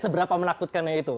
seberapa menakutkannya itu